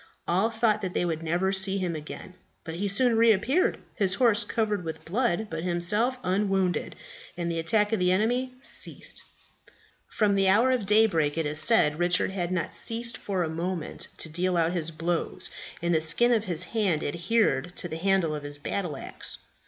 All thought that they would never see him again. But he soon reappeared, his horse covered with blood, but himself unwounded; and the attack of the enemy ceased. From the hour of daybreak, it is said, Richard had not ceased for a moment to deal out his blows, and the skin of his hand adhered to the handle of his battle axe.